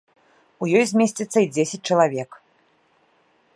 У ёй змесціцца і дзесяць чалавек.